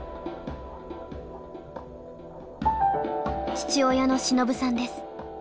父親の忍さんです。